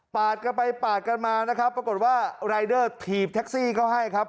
กันไปปาดกันมานะครับปรากฏว่ารายเดอร์ถีบแท็กซี่เขาให้ครับ